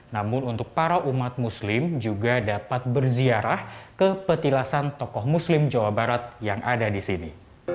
namun untuk para umat muslim juga dapat berziarah ke petilasan tokoh muslim jawa barat yang ada di sini